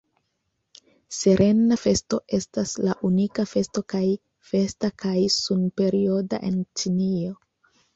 Serena Festo estas la unika festo kaj festa kaj sun-perioda en Ĉinio.